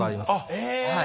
え！